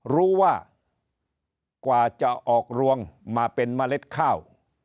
กว่าจะออกรวงมาเป็นเมล็ดข้าว